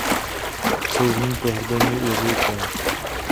Jsou v ní pohřbeni jezuité.